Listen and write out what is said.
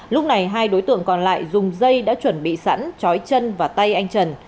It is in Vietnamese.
lúc này hai đối tượng còn lại dùng dây đã chuẩn bị sẵn chói chân và tay anh trần